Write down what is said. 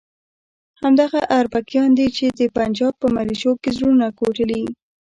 همدغه اربکیان دي چې د پنجاب په ملیشو کې زړونه کوټلي.